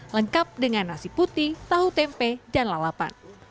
lengkap dengan nasi putih tahu tempe dan lalapan